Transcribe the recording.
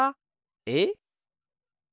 えっ？